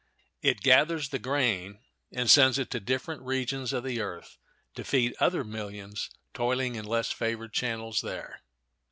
It gathers the grain and sends it to different regions of the earth to feed other millions toiling in less favored channels there.